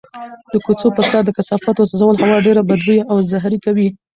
د کوڅو په سر د کثافاتو سوځول هوا ډېره بدبویه او زهري کوي.